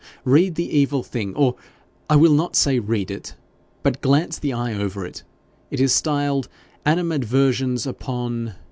Read the evil thing or, I will not say read it, but glance the eye over it. It is styled "Animadversions upon